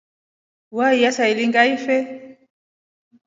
Waiya saailinga ife.